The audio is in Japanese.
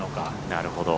なるほど。